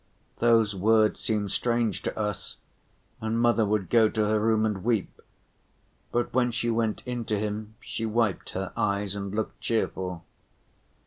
Those words seemed strange to us, and mother would go to her room and weep, but when she went in to him she wiped her eyes and looked cheerful.